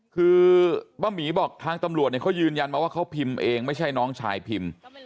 คือป้าหมีบอกทางตำรวจเนี่ยเขายืนยันมาว่าเขาพิมพ์เองไม่ใช่น้องชายพิมพ์